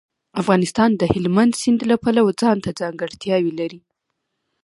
افغانستان د هلمند سیند له پلوه ځانته ځانګړتیاوې لري.